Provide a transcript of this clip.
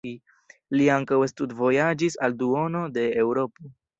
Li ankaŭ studvojaĝis al duono de Eŭropo.